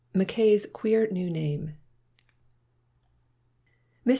mackay's queer new name 1\/TR.